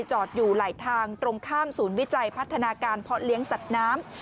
จอดอยู่ไหลทางตรงข้ามศูนย์วิจัยพัฒนาการเพาะเลี้ยงสัตว์น้ำ